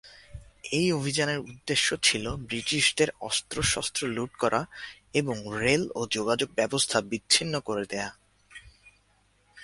এই অভিযানের উদ্দেশ্য ছিলো ব্রিটিশদের অস্ত্রশস্ত্র লুট করা এবং রেল ও যোগাযোগ ব্যবস্থা বিচ্ছিন্ন করে দেয়া।